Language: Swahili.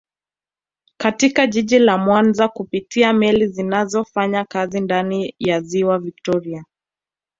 Katika jiji la Mwanza kupitia meli zinazofanya kazi ndani ya ziwa viktoria